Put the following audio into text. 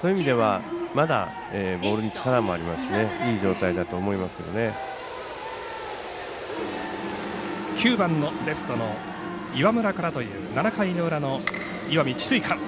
そういう意味では、まだボールに力もありますし９番のレフトの岩村からという７回の裏の石見智翠館。